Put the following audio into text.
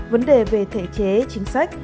vấn đề về thể chế chính sách